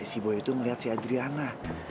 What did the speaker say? si boy itu ngeliat si adriana